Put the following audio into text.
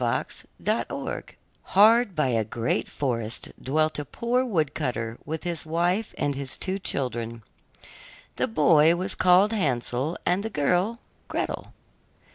HANSEL AND GRETEL Hard by a great forest dwelt a poor wood cutter with his wife and his two children. The boy was called Hansel and the girl Gretel.